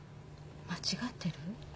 間違ってる？